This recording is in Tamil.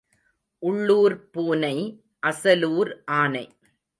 உள்ளூர்ப் பூனை, அசலூர் ஆனை.